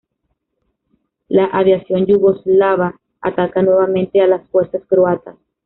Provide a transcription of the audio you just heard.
La aviación yugoslava ataca nuevamente a las fuerzas croatas.